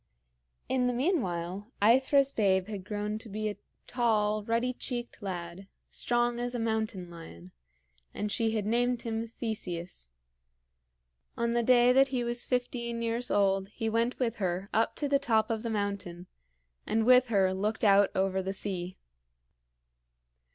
In the meanwhile AEthra's babe had grown to be a tall, ruddy cheeked lad, strong as a mountain lion; and she had named him Theseus. On the day that he was fifteen years old he went with her up to the top of the mountain, and with her looked out over the sea.